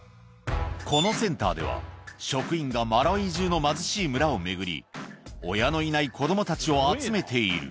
このセンターでは、職員がマラウイじゅうの貧しい村を巡り、親のいない子どもたちを集めている。